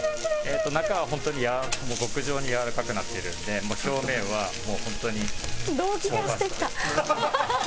中は本当にもう極上にやわらかくなってるんで表面はもう本当に。